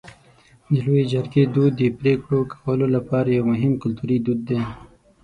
د لویې جرګې دود د پرېکړو کولو لپاره یو مهم کلتوري دود دی.